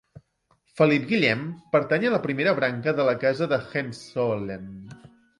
Felip Guillem pertany a la primera branca de la Casa de Hohenzollern.